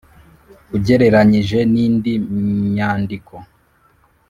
ugereranyije ni ndi myandiko?